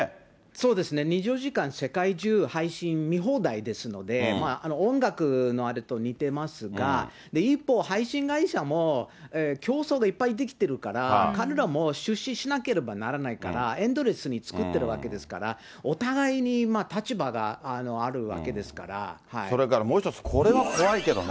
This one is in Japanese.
そうですね、２４時間、世界中、配信見放題ですので、音楽のあれと似てますが、一方、配信会社も競争がいっぱいできてるから、彼らも出資しなければならないから、エンドレスに作っているわけですから、それからもう一つ、これは怖いけどね。